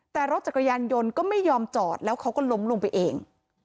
แต่รถจักรยานยนต์ก็ไม่ยอมจอดแล้วเขาก็ล้มลงไปเอง